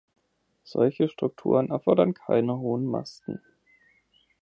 Solche Strukturen erfordern keine hohen Masten.